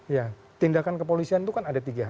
ya tindakan kepolisian itu kan ada tiga